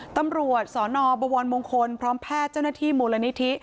ตำรวจสนบวรมงคลพร้อมแพทย์เจ้าหน้าที่มูลนิธิ